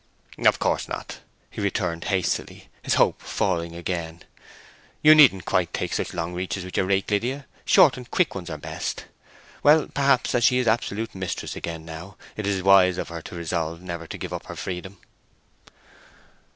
"Of course not," he returned hastily, his hope falling again. "You needn't take quite such long reaches with your rake, Lydia—short and quick ones are best. Well, perhaps, as she is absolute mistress again now, it is wise of her to resolve never to give up her freedom."